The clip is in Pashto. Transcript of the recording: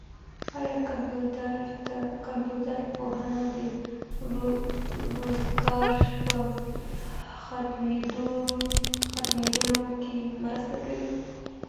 آیا کمپيوټر پوهنه د وزګارۍ په ختمولو کي مرسته کوي؟